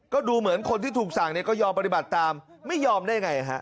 ก็ดูเหมือนคนที่ถูกสั่งเนี่ยก็ยอมปฏิบัติตามไม่ยอมได้ไงฮะ